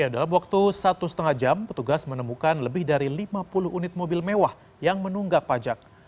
dalam waktu satu lima jam petugas menemukan lebih dari lima puluh unit mobil mewah yang menunggak pajak